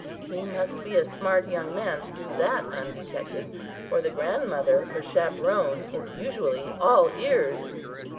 He must be a smart young man to do that undetected, for the grandmother, her chaperon, is usually "all ears."